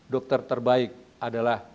dokter terbaik adalah